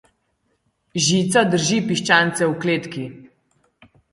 Žica drži piščance v kletki.